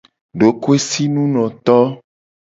Dokoesinunoto.